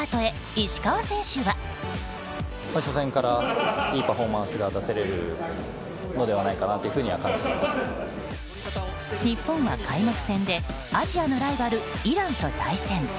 石川選手は。日本は開幕戦でアジアのライバル、イランと対戦。